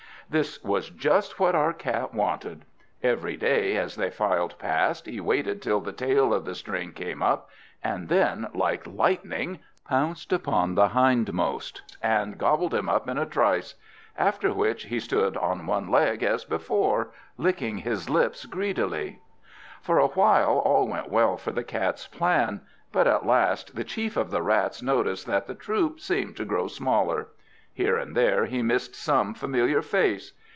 This was just what our Cat wanted. Every day, as they filed past, he waited till the tail of the string came up; then like lightning pounced upon the hindmost, and gobbled him up in a trice; after which he stood on one leg as before, licking his lips greedily. For a while all went well for the Cat's plan; but at last the Chief of the Rats noticed that the troop seemed to grow smaller. Here and there he missed some familiar face.